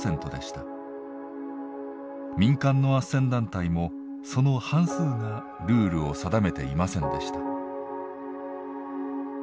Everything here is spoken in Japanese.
民間のあっせん団体もその半数がルールを定めていませんでした。